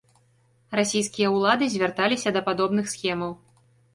Расійскія ўлады звярталіся да падобных схемаў.